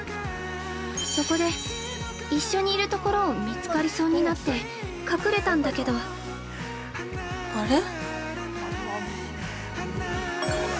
そこで、一緒にいるところを見つかりそうになって隠れたんだけど◆あれ？